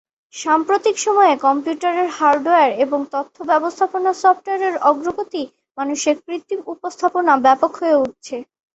সাম্প্রতিক সময়ে কম্পিউটারের হার্ডওয়্যার এবং তথ্য ব্যবস্থাপনা সফটওয়্যারের অগ্রগতি, মানুষের কৃত্রিম উপস্থাপনা ব্যাপক হয়ে উঠছে।